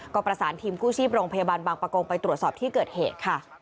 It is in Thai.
ก็ประสานทีมกู้ชีพโรงพยาบาลบางประกงไปตรวจสอบที่เกิดเหตุค่ะ